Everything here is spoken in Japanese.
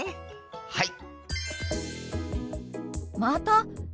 はい！